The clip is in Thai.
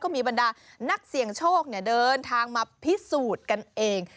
มีบรรดานักเสี่ยงโชคเดินทางมาพิสูจน์กันเอง